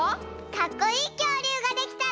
かっこいいきょうりゅうができたら。